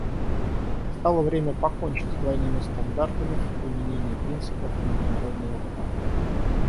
Настало время покончить с двойными стандартами в применении принципов международного права.